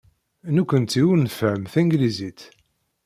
Nekkenti ur nfehhem tanglizit.